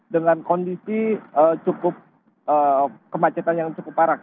dengan kondisi cukup kemacetan yang cukup parah